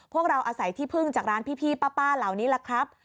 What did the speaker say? พวกเราอาศัยที่พึ่งจากร้านพี่ป้าเหล่านี้แหละครับ